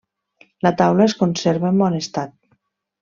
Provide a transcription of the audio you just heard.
La taula es conserva en bon estat.